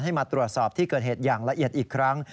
มาตรวจสอบที่เกิดเหตุอย่างละเอียดอีกครั้ง